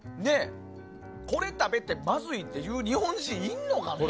これ食べてまずいっていう日本人いるのかね？